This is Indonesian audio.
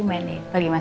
selamat pagi dede skara